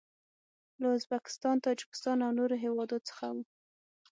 له ازبکستان، تاجکستان او نورو هیوادو څخه و.